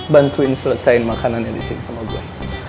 bantuin selesaikan makanannya disini sama gue